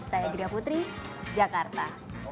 saya gria putri jakarta